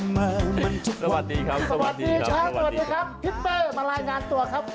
พิศเบย์มารายงานตัวครับ